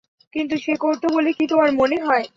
কিন্তু সে করত বলে কি তোমার মনে হয়?